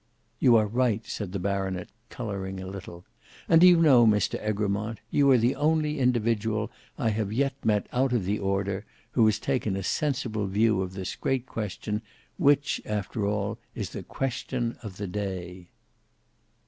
"You are right," said the baronet, colouring a little; "and do you know, Mr Egremont, you are the only individual I have yet met out of the Order, who has taken a sensible view of this great question, which, after all, is the question of the day."